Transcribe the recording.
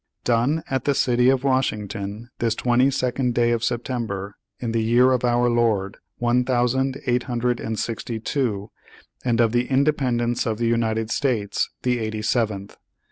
"Done at the City of Washington, this twenty second day of September, in the year of our Lord one thousand eight hundred and sixty two, and of the independence of the United States the eighty seventh.